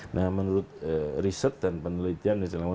nah menurut riset dan penelitian di dalam